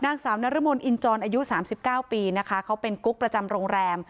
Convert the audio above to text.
นางสาวนารมนด์อินจรย์อายุสามสิบเก้าปีนะคะเขาเป็นกุ๊กประจำโรงแรม